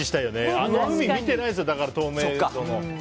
あの海、見てないんですよ透明度の。